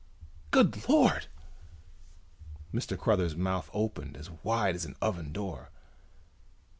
"Good Lord!" Mr. Cruthers' mouth opened up as wide as an oven door.